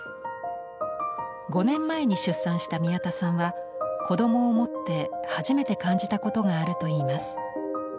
５年前に出産した宮田さんは子どもを持って初めて感じたことがあるといいます。